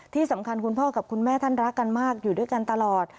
คุณพ่อกับคุณแม่ท่านรักกันมากอยู่ด้วยกันตลอด